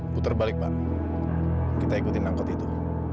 puter balik mbak kita ikutin angkot itu